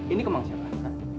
ini kembang siapa